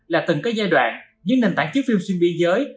là từng có giai đoạn những nền tảng chiếu phim xuyên biên giới